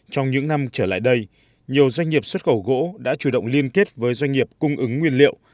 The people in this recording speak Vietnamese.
trong những năm trở lại đây nhiều doanh nghiệp xuất khẩu gỗ đã chủ động liên kết với doanh nghiệp cung ứng nguyên liệu